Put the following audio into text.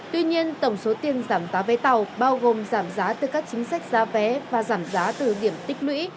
tuy nhiên tổng số tiền giảm giá vé tàu bao gồm giảm giá từ các chính sách giá vé và giảm giá từ điểm tích lũy